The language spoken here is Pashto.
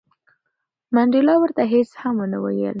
منډېلا ورته هیڅ هم ونه ویل.